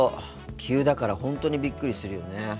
急だから本当にビックリするよね。